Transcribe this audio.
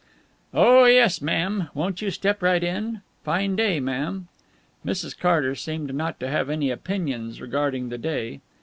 "Oh yes, ma'am! Won't you step right in? Fine day, ma'am." Mrs. Carter seemed not to have any opinions regarding the day.